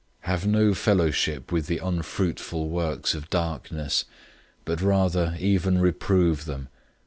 005:011 Have no fellowship with the unfruitful works of darkness, but rather even reprove them.